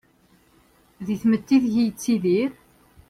Di tmetti ideg-i yettidir.